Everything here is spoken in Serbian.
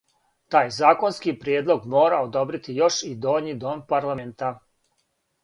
Тај законски приједлог мора одобрити још и доњи дом парламента.